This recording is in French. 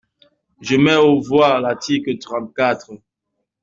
Je mets aux voix l’article trente-quatre.